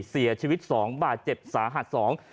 เสียชีวิตสองบาดเจ็บสาหัสสอง